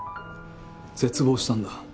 絶望したんだ。